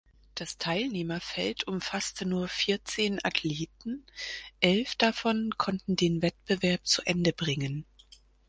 Das Teilnehmerfeld umfasste nur vierzehn Athleten, elf davon konnten den Wettbewerb zu Ende bringen.